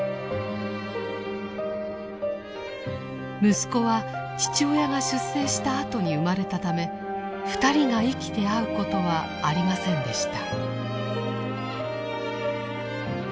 息子は父親が出征したあとに生まれたため２人が生きて会うことはありませんでした。